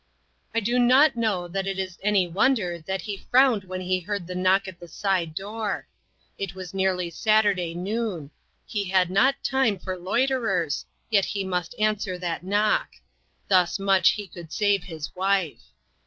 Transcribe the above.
I do not know that it is any wonder that he frowned when he heard the knock at the side door. It was nearly Sat urday noon ; he had not time for loiterers, yet he must answer that knock ; thus much he could save his wife.